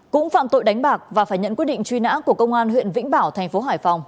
cũng phạm tội đánh bạc và phải nhận quyết định truy nã của công an huyện vĩnh bảo thành phố hải phòng